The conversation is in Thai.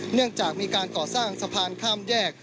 เนื่องจากมีการก่อสร้างสะพานข้ามแยก